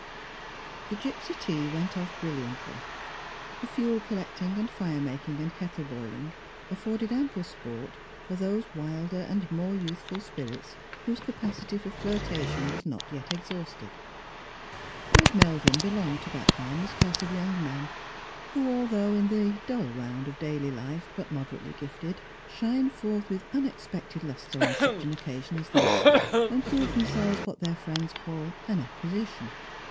The gipsy tea went off" brilliantly. The fuel collecting and fir© makinpr and kettle boiUng aff'orded ampL? sport for those wilder Strangers and Pilgrimg. 4lt ajd more youthfnl spirits whose capacity for flirtation was not yet cxhansted. Fred JMelvin belonged to that harmless class of young men who, although in the dull round of daily life but moderately gifted, shine forth with unexpected lustre on such an occasion as this, and prove themselves what their friends cail "an acquisition."